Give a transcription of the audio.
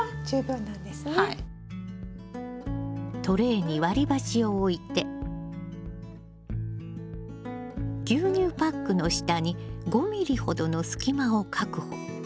トレーに割り箸を置いて牛乳パックの下に５ｍｍほどの隙間を確保。